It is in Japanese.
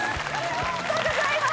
ありがとうございます！